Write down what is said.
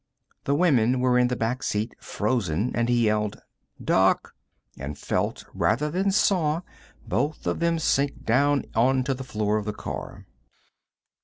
The women were in the back seat, frozen, and he yelled: "Duck!" and felt, rather than saw, both of them sink down onto the floor of the car.